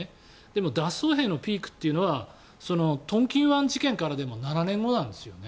でも脱走兵のピークというのはトンキン湾事件からでも７年後なんです。